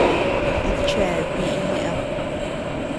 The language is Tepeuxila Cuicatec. ¿A chea biʼi neʼed.?